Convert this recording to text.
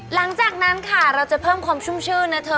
หลังจากนั้นค่ะเราจะเพิ่มความชุ่มชื่นนะเธอ